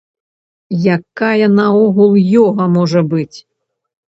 Якая наогул ёга можа быць?